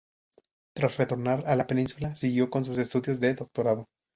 Tras retornar a la península, siguió con sus estudios de doctorado.